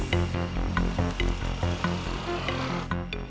ada juga sisi yang peng iemand